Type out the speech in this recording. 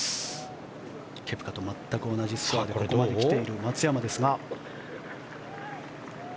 ケプカと全く同じスコアでここまで来ている松山ですが。